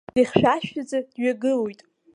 Дыхьшәашәаӡа дҩагылоит.